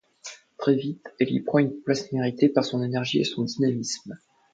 Très vite, elle y prend une place méritée par son énergie et son dynamisme.